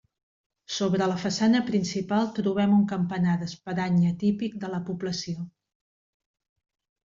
Sobre la façana principal trobem un campanar d'espadanya típic de la població.